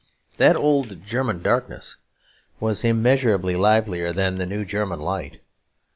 That old German darkness was immeasurably livelier than the new German light.